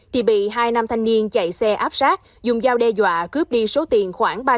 thì bị hai nam thanh niên chạy xe áp sát dùng dao đe dọa cướp đi số tiền khoảng